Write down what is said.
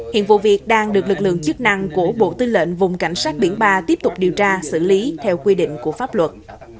hiện vụ việc đang được lực lượng chức năng của bộ tư lệnh vùng cảnh sát biển ba tiếp tục điều tra xử lý theo quy định của pháp luật